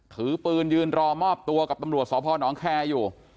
ถือปืนยืนรอมอบตัวกับตำรวจสพนแคร์อยู่